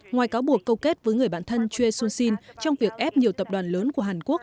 ngoài cáo buộc câu kết với người bạn thân choi soon sin trong việc ép nhiều tập đoàn lớn của hàn quốc